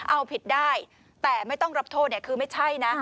เอาผิดได้แต่ไม่ต้องรับโทษเนี่ยคือไม่ใช่นะ